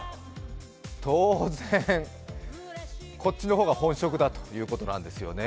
当然こっちの方が本職だということなんですよね。